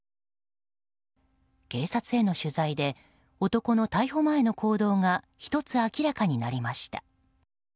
警察への取材で男の逮捕前の行動が１つ明らかになりました。